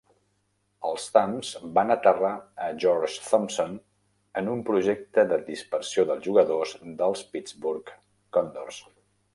Els Tams van aterrar a George Thompson en un projecte de dispersió dels jugadors del Pittsburgh Condors.